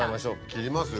切りますよ。